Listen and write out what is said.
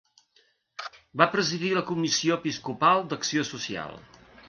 Va presidir la comissió episcopal d'Acció Social.